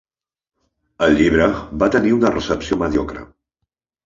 El llibre va tenir una recepció mediocre.